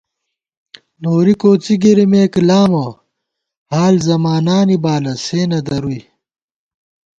نوری کوڅی گِرِمېک لامہ حال زمانانی بالہ سے نہ درُوئی